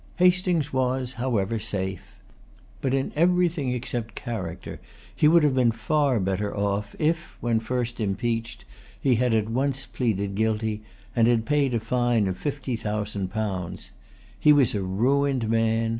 Hastings was, however, safe. But in everything except character, he would have been far better off if, when first impeached, he had at once pleaded guilty, and paid a fine of fifty thousand pounds. He was a ruined man.